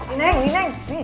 ini neng ini neng